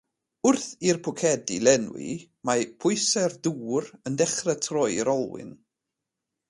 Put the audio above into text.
Wrth i'r pwcedi lenwi, mae pwysau'r dŵr yn dechrau troi'r olwyn.